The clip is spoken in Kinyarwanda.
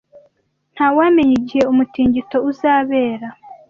Ntawamenya igihe umutingito uzabera.